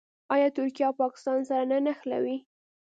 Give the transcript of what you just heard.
آیا ترکیه او پاکستان سره نه نښلوي؟